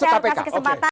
saya kasih kesempatan